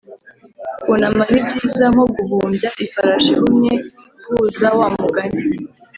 kunama ni byiza nko guhumbya ifarashi ihumye guhuza wa mugani